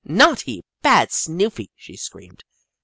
" Naughty, bad Snoofie! " she screamed.